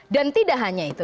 dan tidak hanya itu